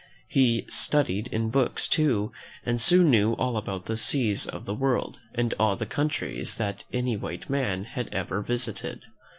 He studied in books, too, and soon knew all about the seas of the world, and all the countries that any white man had ever visited.